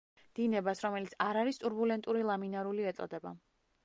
დინებას, რომელიც არ არის ტურბულენტური ლამინარული ეწოდება.